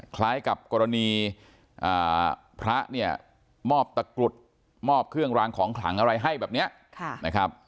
คล้ายกับกรณีพระเนี่ยมอบตะกรุดมอบเครื่องรางของขลังอะไรให้แบบนี้นะครับ